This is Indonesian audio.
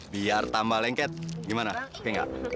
biar tambah lengket gimana oke gak